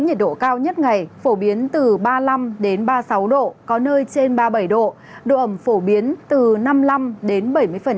nhiệt độ cao nhất ngày phổ biến từ ba mươi năm đến ba mươi sáu độ có nơi trên ba mươi bảy độ độ ẩm phổ biến từ năm mươi năm đến bảy mươi